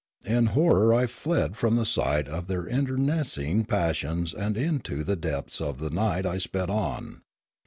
In horror I fled from the sight of their internecine passions and into the depths of the night I sped on.